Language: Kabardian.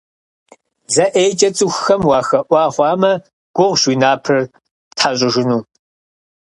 Зэ ӀейкӀэ цӀыхухэм уахэӀуа хъуамэ, гугъущ уи напэр птхьэщӀыжыну.